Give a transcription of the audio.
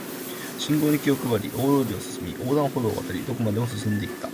信号に気を配り、大通りを進み、横断歩道を渡り、どこまでも進んで行った